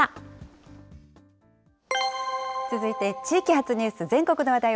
続いて地域発ニュース、全国